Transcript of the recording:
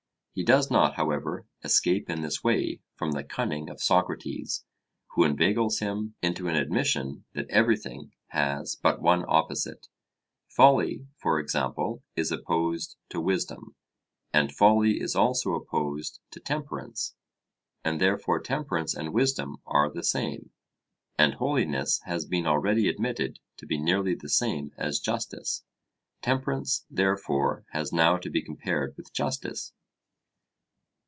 He does not, however, escape in this way from the cunning of Socrates, who inveigles him into an admission that everything has but one opposite. Folly, for example, is opposed to wisdom; and folly is also opposed to temperance; and therefore temperance and wisdom are the same. And holiness has been already admitted to be nearly the same as justice. Temperance, therefore, has now to be compared with justice.